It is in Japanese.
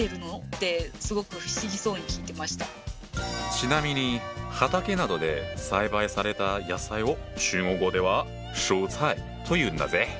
ちなみに畑などで栽培された野菜を中国語では「蔬菜」というんだぜ。